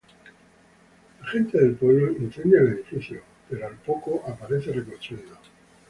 La gente del pueblo incendia el edificio, pero al poco aparece reconstruido.